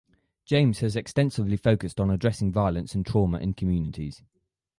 James has extensively focused on addressing violence and trauma in communities.